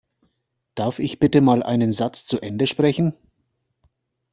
Darf ich bitte mal einen Satz zu Ende sprechen?